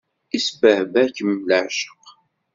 Isbehba-kem leɛceq.